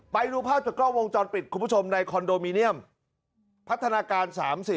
ไปดูภาพจากกล้องวงจรปิดคุณผู้ชมในคอนโดมิเนียมพัฒนาการ๓๐